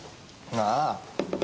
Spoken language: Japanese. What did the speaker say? なあ。